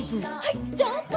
ジャンプ！